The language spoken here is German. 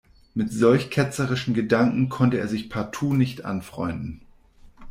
Mit solch ketzerischen Gedanken konnte er sich partout nicht anfreunden.